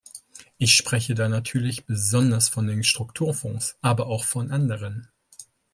Ich spreche da natürlich besonders von den Strukturfonds, aber auch von anderen.